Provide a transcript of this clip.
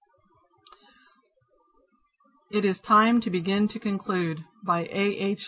IT IS TIME TO BEGIN TO CONCLUDE BY A.H.